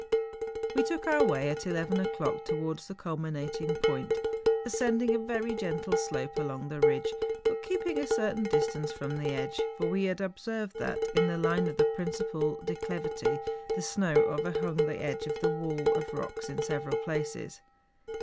We took our way at eleven o'clock towards the culminating point, ascending a very gentle slope along the ridge, but keeping a certain distance from the edge; for we had observed that, in the line of the principal declivity, the snow overhung the edge of the wall of rocks in several places.